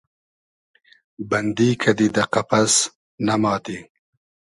بئندی کئدی دۂ قئپس ، ئمادی